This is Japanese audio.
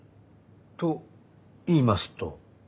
といいますと？